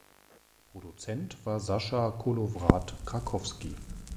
Produzent war Sascha Kolowrat-Krakowsky.